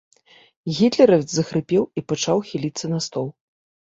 Гітлеравец захрыпеў і пачаў хіліцца на стол.